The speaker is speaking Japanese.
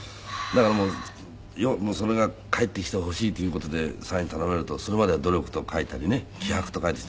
だからもうそれが返ってきてほしいという事でサイン頼まれるとそれまでは「努力」と書いたりね「気迫」と書いて。